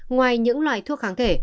ngoài những loại thuốc kháng thể